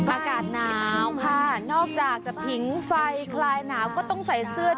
อากาศหนาวค่ะนอกจากจะผิงไฟคลายหนาวก็ต้องใส่เสื้อ